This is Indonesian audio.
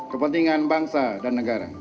kepentingan bangsa dan negara